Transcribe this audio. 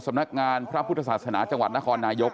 สำนักงานพระพุทธศาสนาจังหวัดนครนายก